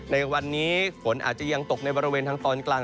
ในวันนี้ฝนอาจจะยังตกในบริเวณทางตอนกลาง